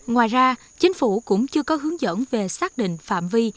ngoài ra chính phủ cũng chưa có hướng dẫn về xác định phạm vi